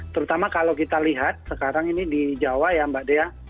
terutama kalau kita lihat sekarang ini di jawa ya mbak dea